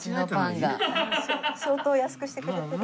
相当安くしてくれてる。